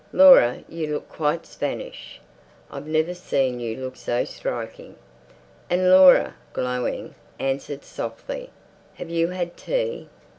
"Laura, you look quite Spanish. I've never seen you look so striking." And Laura, glowing, answered softly, "Have you had tea?